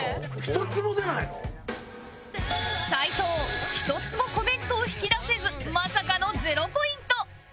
斉藤１つもコメントを引き出せずまさかの０ポイント